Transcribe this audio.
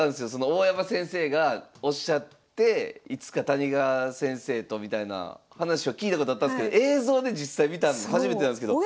大山先生がおっしゃっていつか谷川先生とみたいな話を聞いたことあったんですけど映像で実際見たの初めてなんですけど。